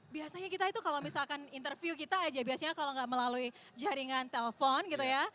biasanya kita itu kalau misalkan interview kita aja biasanya kalau nggak melalui jaringan telpon gitu ya